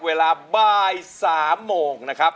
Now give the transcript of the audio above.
เวลาบ่าย๓โมงนะครับ